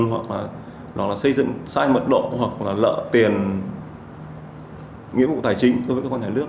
hoặc là xây dựng sai mật lộ hoặc là lỡ tiền nghĩa vụ tài chính đối với các quan hệ nước